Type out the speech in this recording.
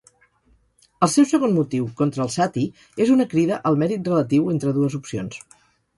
El seu segon motiu contra el "sati" és una crida al mèrit relatiu entre dues opcions.